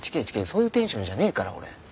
そういうテンションじゃねえから俺。